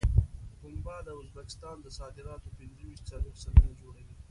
پنبه د ازبکستان د صادراتو پنځه څلوېښت سلنه جوړوي.